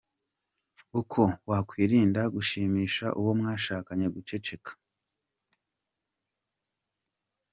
Uko wakwirinda guhimisha uwo mwashakanye guceceka.